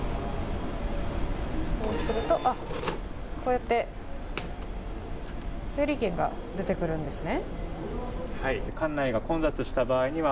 こうやって整理券が出てくるんですね。